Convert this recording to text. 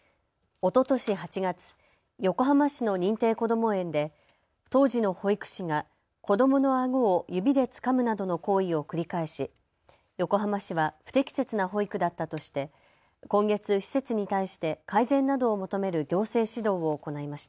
おととし８月、横浜市の認定こども園で当時の保育士が子どものあごを指でつかむなどの行為を繰り返し横浜市は不適切な保育だったとして今月、施設に対して改善などを求める行政指導を行いました。